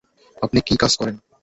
আপনি -কী কাজ করেন?